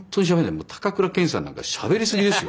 もう高倉健さんなんかしゃべり過ぎですよ。